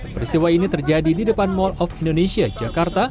peristiwa ini terjadi di depan mall of indonesia jakarta